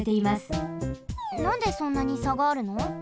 なんでそんなにさがあるの？